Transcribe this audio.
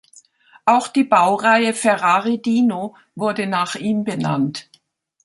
Auch die Baureihe Ferrari Dino wurde nach ihm benannt.